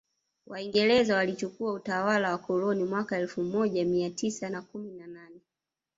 Waingereza walichukua utawala wa koloni mwaka elfu moja mia tisa na kumi na nane